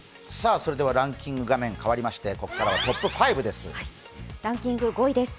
ランキング画面変わりましてここからはトップ５です。